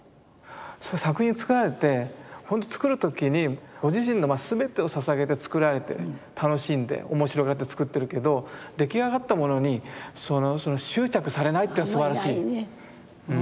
その作品を作られてほんと作る時にご自身のすべてをささげて作られて楽しんで面白がって作ってるけど出来上がったものに執着されないってのがすばらしい。